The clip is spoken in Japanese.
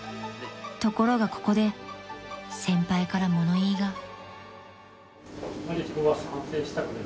［ところがここで先輩から物言いが］